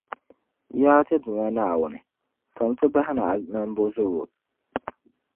Yaa ti Duuma Naawuni, faami ti bahi ni a nambɔzɔbo.